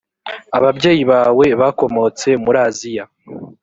ababyeyi bawe bakomotse muraziya.